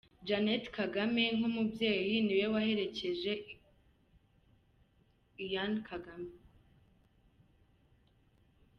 Jeanette Kagame nk’umubyeyi, niwe waherekeje Ian Kagame.